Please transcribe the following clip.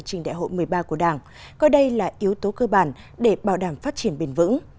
trình đại hội một mươi ba của đảng coi đây là yếu tố cơ bản để bảo đảm phát triển bền vững